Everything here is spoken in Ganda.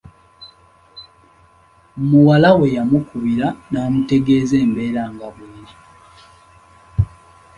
Muwala we yamukubira n'amutegeeza embeera nga bweri.